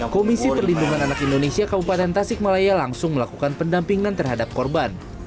komisi perlindungan anak indonesia kabupaten tasikmalaya langsung melakukan pendampingan terhadap korban